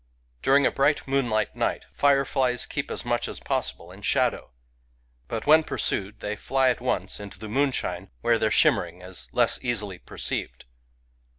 Dur ing a bright moonlight night fireflies keep as much as possible in shadow ; but when pursued they fly at once into the moonshine, where their shimmer ing is less easily perceived.